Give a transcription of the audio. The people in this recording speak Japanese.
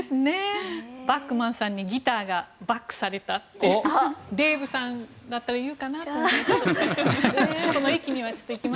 バックマンさんにギターがバックされたってデーブさんだったら言うかなって。